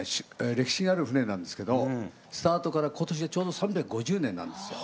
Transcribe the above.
歴史がある船なんですけどスタートから今年でちょうど３５０年なんですよ。